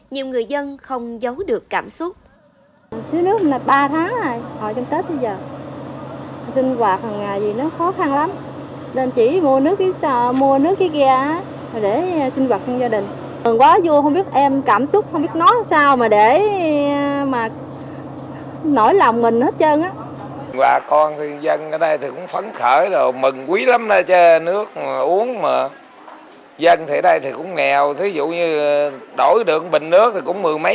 nhiều người dân không giấu được cảm xúc